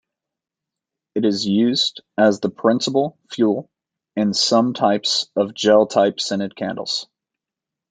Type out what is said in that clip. It is used as the principal fuel in some types of gel-type scented candles.